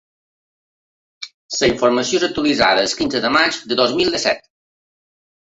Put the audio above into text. La informació és actualitzada el quinze de maig de dos mil disset.